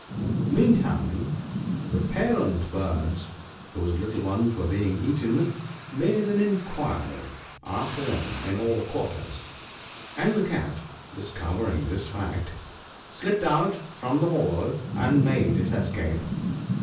Mean time the parent birds, whose little ones were being eaten, made an inquiry after them in all quarters ; and the Cat, discovering this fact, slipped out from the hollow, and made his escape.